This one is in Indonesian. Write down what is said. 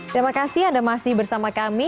terima kasih anda masih bersama kami